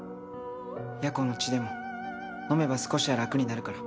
夜行の血でも飲めば少しは楽になるから。